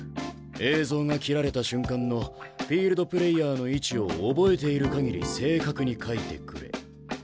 「映像が切られた瞬間のフィールドプレーヤーの位置を覚えている限り正確に書いてくれ」。